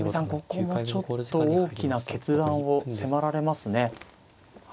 ここもちょっと大きな決断を迫られますね。